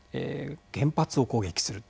原発を攻撃する。